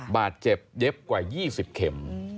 บาดเจ็บเย็บกว่า๒๐เข็ม